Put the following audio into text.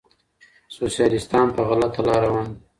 سوسیالیستان په غلطه لار روان دي.